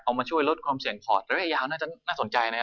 มาช่วยลดความเสี่ยงพอร์ตระยะยาวน่าจะน่าสนใจนะครับ